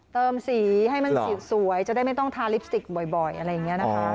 เติมสีให้มันสวยจะได้ไม่ต้องทาลิปสติกบ่อยอะไรอย่างนี้นะคะ